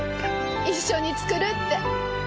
一緒に作るって。